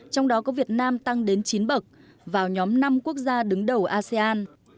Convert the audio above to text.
trong đó có việt nam tăng đến chín bậc vào nhóm năm quốc gia đứng đầu asean